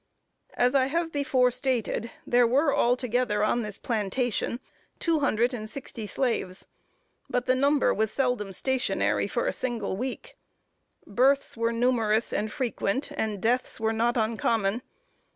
As I have before stated, there were altogether on this plantation, two hundred and sixty slaves; but the number was seldom stationary for a single week. Births were numerous and frequent, and deaths were not uncommon.